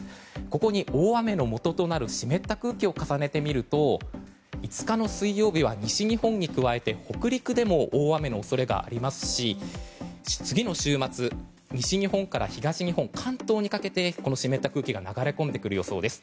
ここに大雨のもととなる湿った空気を重ねてみると、５日の水曜日は西日本に加えて北陸でも大雨の恐れがありますし次の週末、西日本から東日本関東にかけて、湿った空気が流れ込んでくる予想です。